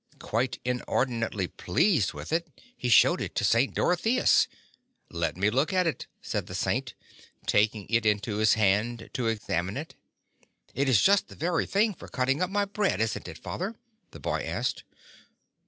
Quite inordinately pleased with it he showed it to St. Dorotheus. "Let me look at it," said the Saint, taking it into his hand to examine it. "It's just the very thing for cutting up my bread, isn't it. Father?" the boy asked.